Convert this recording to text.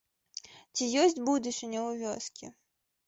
Ці ёсць будучыня ў вёскі?